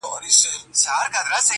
خو تر لمر یو حقیقت راته روښان دی!.